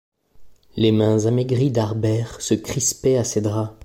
Les mains amaigries d’Harbert se crispaient à ses draps